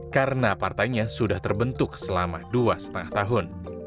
karena partainya sudah terbentuk selama dua lima tahun